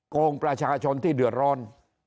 โกงประชาชนที่เดือดร้อน